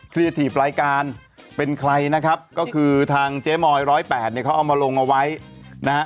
ครีเอทีฟรายการเป็นใครนะครับก็คือทางเจ๊มอยร้อยแปดเนี้ยเขาเอามาลงมาไว้นะฮะ